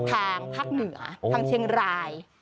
ทางภาคเหนือทางเชียงราย